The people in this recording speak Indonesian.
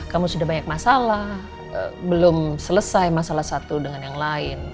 kamu sudah banyak masalah belum selesai masalah satu dengan yang lain